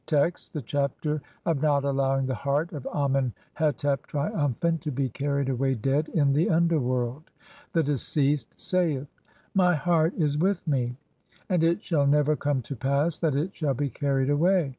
Text : (1) The Chapter of not allowing the heart of Amen hetep, triumphant, to be carried away dead in the UNDERWORLD. The deceased saith :— "My heart is with me, (2) and it shall never come to pass "that it shall be carried away.